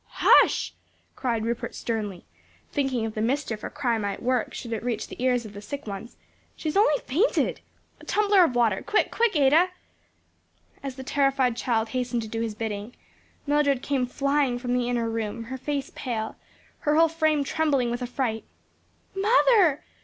"Hush!" cried Rupert sternly, thinking of the mischief her cry might work should it reach the ears of the sick ones, "she has only fainted. A tumbler of water; quick, quick, Ada!" As the terrified child hastened to do his bidding, Mildred came flying from the inner room, her face pale, her whole frame trembling with affright. "Mother!"